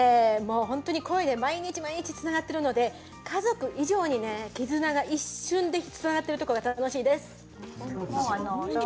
本当に声で毎日毎日つながっているので家族以上に絆が一瞬でつながっているところが楽しいです。